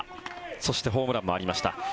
そしてホームランもありました。